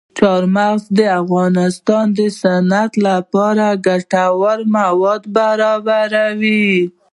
چار مغز د افغانستان د صنعت لپاره ګټور مواد برابروي.